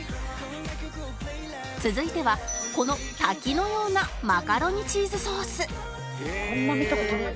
続いてはこの滝のようなマカロニチーズソースへえ。